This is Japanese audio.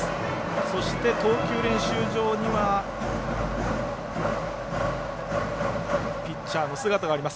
そして、投球練習場にはピッチャーの姿があります。